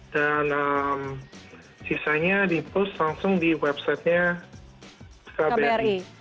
dan sisanya dipost langsung di websitenya kbri